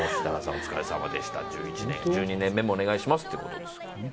お疲れさまでした１２年目もお願いしますっていうことです。